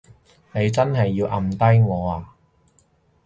你真係要抌低我呀？